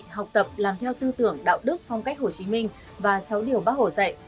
học tập làm theo tư tưởng đạo đức phong cách hồ chí minh và sáu điều bác hồ dạy